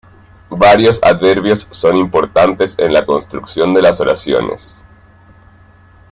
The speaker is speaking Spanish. Varios adverbios son importantes en la construcción de las oraciones.